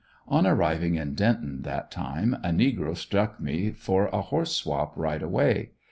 On arriving in Denton that time, a negro struck me for a horse swap right away.